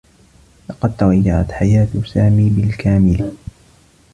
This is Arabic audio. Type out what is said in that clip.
لقد تغيّرت حياة سامي بالكامل.